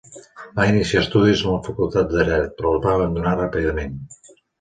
Va iniciar estudis en la Facultat de Dret, però els va abandonar ràpidament.